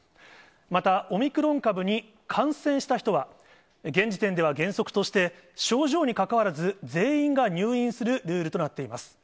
また、オミクロン株に感染した人は、現時点では原則として、症状にかかわらず、全員が入院するルールとなっています。